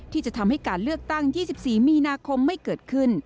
ที่จะทำให้การเลือกตั้ง๒๔มีนาคมไม่เกิดขึ้น